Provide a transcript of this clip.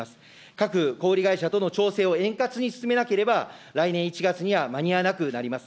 各小売り会社との調整を円滑に進めなければ、来年１月には間に合わなくなります。